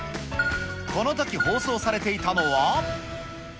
このとき放送されていたのは。